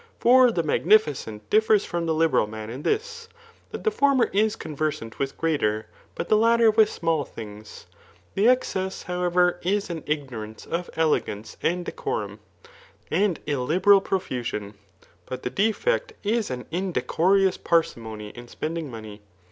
For the magnificent differs from the liberal man in this, that the former is conver sant with great, but the latter with small things. Tlie excess, however, is an ignorance of elegance and deco rum, and illiberal profusion ; but the defect is an indeco rous parsimony in spending money.